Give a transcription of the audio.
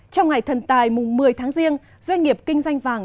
trong ngày thần tài mùng một mươi tháng riêng doanh nghiệp kinh doanh vàng